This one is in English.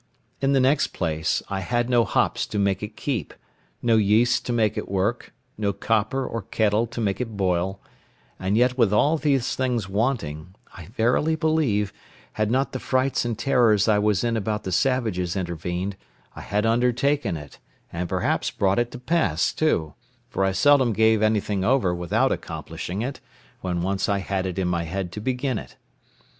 In the next place, I had no hops to make it keep, no yeast to make it work, no copper or kettle to make it boil; and yet with all these things wanting, I verily believe, had not the frights and terrors I was in about the savages intervened, I had undertaken it, and perhaps brought it to pass too; for I seldom gave anything over without accomplishing it, when once I had it in my head to began it.